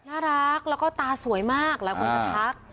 น่ารักแล้วก็ตาสวยมากหลายคนจะทัก